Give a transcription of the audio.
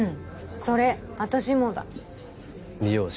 それ私もだ美容師？